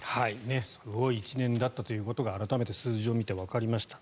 すごい１年だったということが改めて数字を見てわかりました。